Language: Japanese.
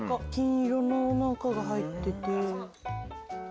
金色の何かが入ってて。